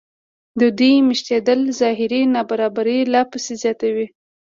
د دوی مېشتېدل ظاهري نابرابري لا پسې زیاتوي